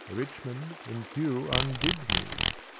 Richmond and Kew Undid me.